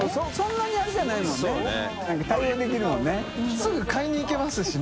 すぐ買いに行けますしね